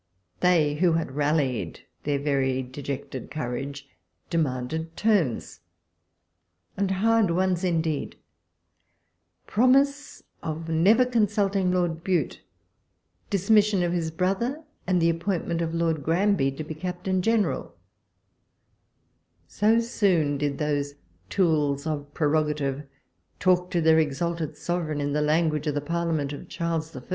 They, who had rallied their very dejected courage, demanded terms, and hard ones indeed — prnmhc. of never consult ing Lord Bute, dismission of his brother, and the appointment of Lord Granby to be Captain General — so soon did those tools of prerogative talk to their exalted sovereign in the language of the Parliament of Charles I.